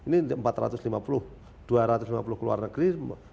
dua ratus lima puluh di luar negeri